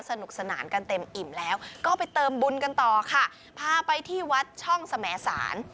สนุกสนานกันเต็มอิ่มแล้วก็ไปเติมบุญกันต่อค่ะพาไปที่วัดช่องสมสาร